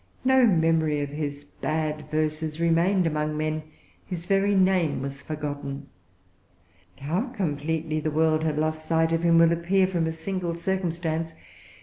No memory of his bad verses remained among men. His very name was forgotten. How completely the world had lost sight of him will appear from a single circumstance.